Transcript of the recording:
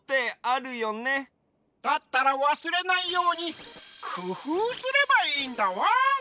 だったらわすれないようにくふうすればいいんだワン！